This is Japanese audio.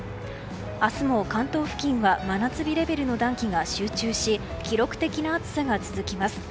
明日も関東付近は真夏日レベルの暖気が集中し記録的な暑さが続きます。